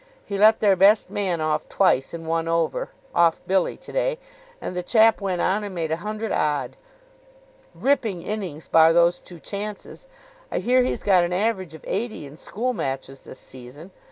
He let their best man off twice in one over, off Billy, to day; and the chap went on and made a hundred odd. Ripping innings bar those two chances. I hear he's got an average of eighty in school matches this season.